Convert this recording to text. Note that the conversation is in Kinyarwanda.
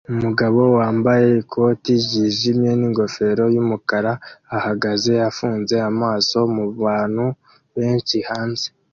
Umugabo wambaye ikoti ryijimye ningofero yumukara ahagaze afunze amaso mubantu benshi hanze